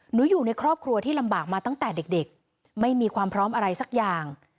อยู่ในครอบครัวที่ลำบากมาตั้งแต่เด็กไม่มีความพร้อมอะไรสักอย่าง